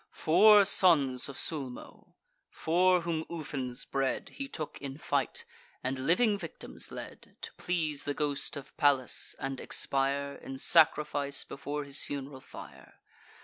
Four sons of Sulmo, four whom Ufens bred, He took in fight, and living victims led, To please the ghost of Pallas, and expire, In sacrifice, before his fun'ral fire.